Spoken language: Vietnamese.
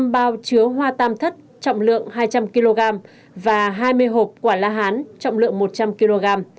năm bao chứa hoa tam thất trọng lượng hai trăm linh kg và hai mươi hộp quả la hán trọng lượng một trăm linh kg